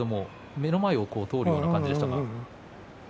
目の前を通るような感じでした。